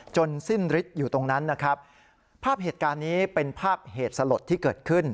สิ้นฤทธิ์อยู่ตรงนั้นนะครับภาพเหตุการณ์นี้เป็นภาพเหตุสลดที่เกิดขึ้น